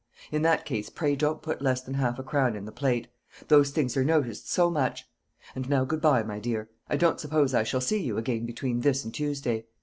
In that case, pray don't put less than half a crown in the plate. Those things are noticed so much. And now, good bye, my dear. I don't suppose I shall see you again between this, and Tuesday.